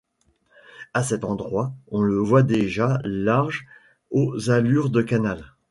À cet endroit, on le voit déjà large aux allures de canal.